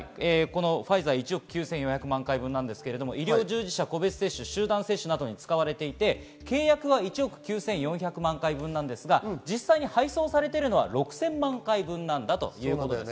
ファイザー１億９４００万回分ですが医療従事者、個別接種、集団接種などに使われていて契約は１億９４００万回分ですが、実際に配送されているのは６０００万回分だということです。